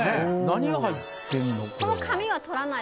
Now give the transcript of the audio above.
何が入ってるの？